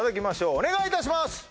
お願いいたします